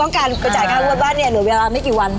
การไปจ่ายค่างวดบ้านเนี่ยเหลือเวลาไม่กี่วัน